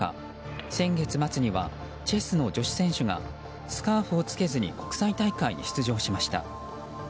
先月末にはチェスの女子選手がスカーフを着けずに国際大会に出場しました。